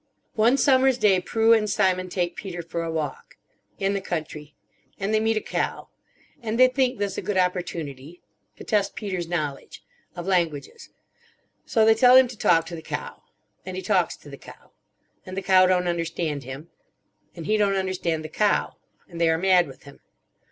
"One summer's day Prue and Simon take Peter for a walk. In the country. And they meet a cow. And they think this a good opportunity. To test Peter's knowledge. Of languages. So they tell him to talk to the cow. And he talks to the cow. And the cow don't understand him. And he don't understand the cow. And they are mad with him.